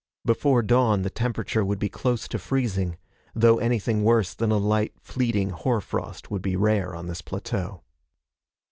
Before dawn, the temperature would be close to freezing, though anything worse than a light fleeting hoar frost would be rare on this plateau.